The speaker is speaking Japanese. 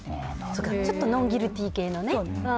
ちょっとノンギルティー系のね。